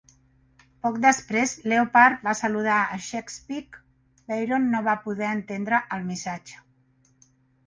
Poc després, "Leopard" va saludar a "Chesapeake"; Barron no va poder entendre el missatge.